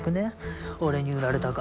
俺に売られたか。